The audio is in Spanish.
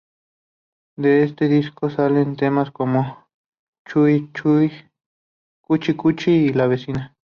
De este disco salen temas como "Cuchi Cuchi" y "La Vecina".